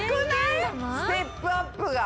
ステップアップが。